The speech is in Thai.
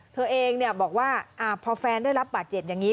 เธอเองบอกว่าพอแฟนได้รับบาดเจ็บอย่างนี้